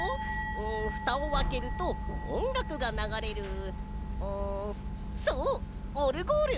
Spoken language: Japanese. うんふたをあけるとおんがくがながれるうんそうオルゴール！